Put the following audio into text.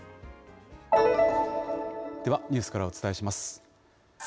ではニュースからお伝えします。